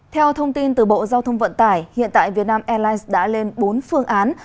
theo thông tin từ bộ giao thông vận tải hiện tại việt nam airlines đã lên bốn phương án